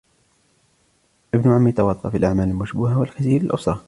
ابن عمي تورط في الاعمال المشبوهة والخزي للاسرة